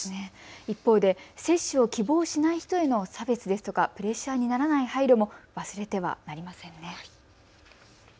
一方で接種を希望しない人への差別ですとかプレッシャーにならない配慮も忘れてはなりませんね。